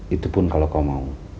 itu pun kalau kau mau